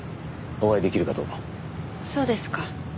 そうですか。